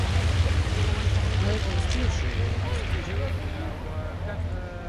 Kleitai es piešuvu lenci taču.